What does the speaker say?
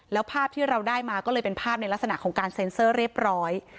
แล้วภาพที่เราได้มาก็เลยเป็นภาพในลักษณะของการเซ็นเซอร์เรียบร้อย